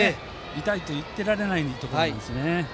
痛いと言ってられないところですね。